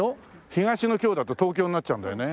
東の京だと東京になっちゃうんだよね。